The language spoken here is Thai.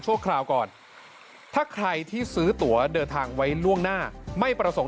คราวก่อนถ้าใครที่ซื้อตัวเดินทางไว้ล่วงหน้าไม่ประสงค์